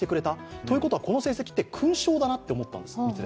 ということは、この成績って勲章だなって思ったんです。